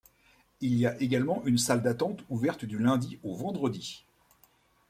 Il y a également une salle d'attente ouverte du lundi au vendredi.